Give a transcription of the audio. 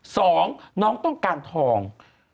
สองน้องต้องการทอง